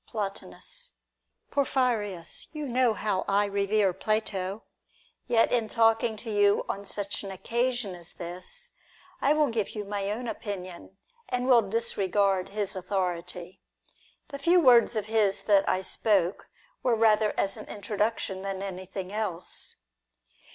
Plotinus. Porphyrins, you know how I revere Plato ; yet in talking to you on such an occasion as this, I will give you my own opinion, and will disregard his authority. The few words of his .that I spoke were rather as an introduction than anything else.